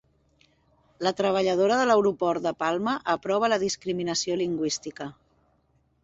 La treballadora de l'aeroport de Palma aprova la discriminació lingüística